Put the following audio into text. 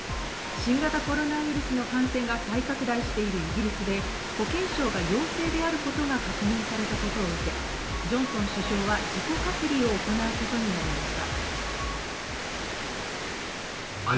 新型コロナウイルスの感染が再拡大しているイギリスで保健相が陽性であることが確認されたことを受け、ジョンソン首相は自己隔離を行うことになりました。